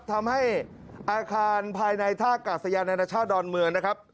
ทำให้อาคารภายในท่ากาศยานานาชาติดอนเมืองนะครับ